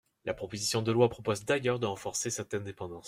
La proposition de loi propose d’ailleurs de renforcer cette indépendance.